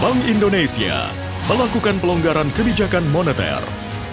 bank indonesia melakukan pelonggaran kebijakan moneter